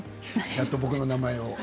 やっと僕の名前を。